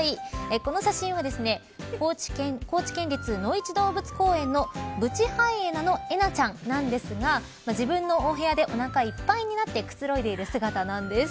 この写真は高知県立のいち動物公園のブチハイエナのエナちゃんなんですが自分の部屋でおなかいっぱいになってくつろいでいる姿なんです。